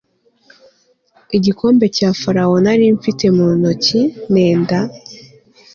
igikombe cya farawo nari ngifite mu ntoki nenda